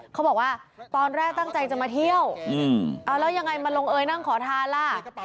เขาบอกว่าตอนแรกตั้งใจจะมาเที่ยวเอาแล้วยังไงมาลงเอยนั่งขอทานล่ะ